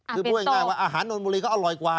คือพูดง่ายว่าอาหารนนบุรีก็อร่อยกว่า